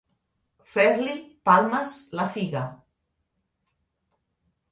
Fer-li palmes la figa.